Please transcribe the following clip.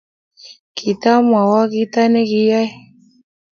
kitamwowoo kita nekiyoe.